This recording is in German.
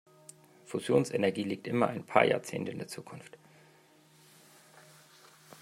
Fusionsenergie liegt immer ein paar Jahrzehnte in der Zukunft.